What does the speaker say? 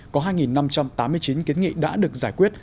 có hai năm trăm tám mươi chín kiến nghị đã được giải quyết